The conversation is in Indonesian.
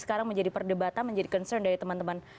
sekarang menjadi perdebatan menjadi concern dari teman teman